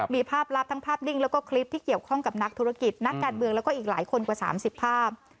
มีภาพลับทั้งภาพนิ่งแล้วก็คลิปที่เกี่ยวข้องกับนักธุรกิจนักการเมืองแล้วก็อีกหลายคนกว่า๓๐ภาพ